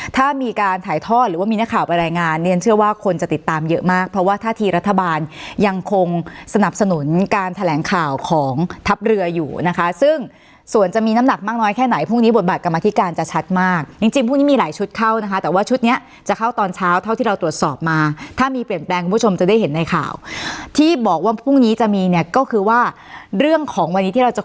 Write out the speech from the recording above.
ถ้ามีการถ่ายทอดหรือว่ามีหน้าข่าวบรรยายงานเนี่ยเชื่อว่าคนจะติดตามเยอะมากเพราะว่าท่าทีรัฐบาลยังคงสนับสนุนการแถลงข่าวของทัพเรืออยู่นะคะซึ่งส่วนจะมีน้ำหนักมากน้อยแค่ไหนพรุ่งนี้บทบาทกรรมนาธิการจะชัดมากจริงพรุ่งนี้มีหลายชุดเข้านะคะแต่ว่าชุดเนี่ยจะเข้าตอนเช้าเท่าที่เราตร